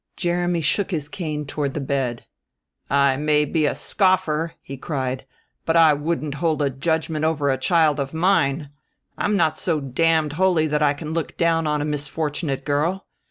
Jeremy shook his cane toward the bed. "I may be a scoffer," he cried, "but I wouldn't hold a judgment over a child of mine! I'm not so damned holy that I can look down on a misfortunate girl.